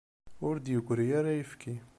Ur d-yeggri ara uyefki.